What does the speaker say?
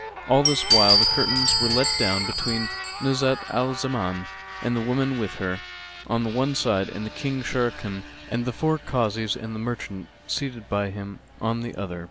All this while the curtains were let down between Nuzhat al Zaman and the women with her, on the one side, and King Sharrkan and the four Kazis and the merchant seated by him on the other.